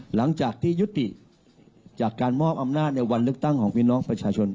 หลังจากที่ยุติจากการมอบอำนาจในวันเลือกตั้งของพี่น้องประชาชน